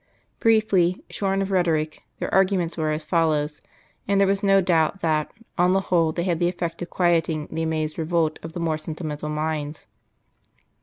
Briefly, shorn of rhetoric, their arguments were as follows, and there was no doubt that, on the whole, they had the effect of quieting the amazed revolt of the more sentimental minds.